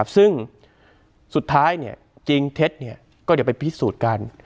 ซึ่งสุดท้ายจริงเท็จก็เดี๋ยวไปพิสูจน์กัน